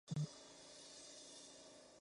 En la actualidad es secretario general.